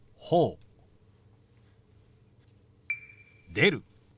「出る」。